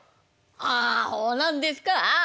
「ああほうなんですかあ。